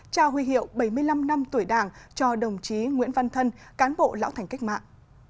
trao huy hiệu bảy mươi năm năm tuổi đảng cho đồng chí nguyễn văn thân cán bộ lão thành cách mạng